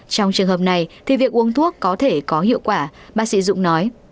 trong trường hợp này thì việc uống thuốc có thể có hiệu quả bác sĩ dũng nói